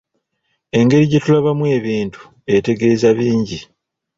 Engeri gye tulabamu ebintu etegeeza bingi.